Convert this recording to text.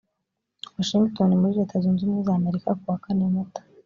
washingitoni muri leta zunze ubumwe za amerika kuwa kane mata